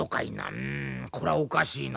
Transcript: うんこれはおかしいな。